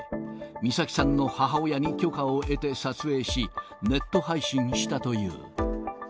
美咲さんの母親に許可を得て、撮影し、ネット配信したという。